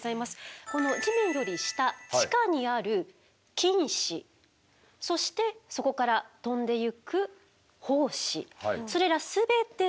この地面より下地下にある菌糸そしてそこから飛んでゆく胞子それら全てでキノコなのでございます。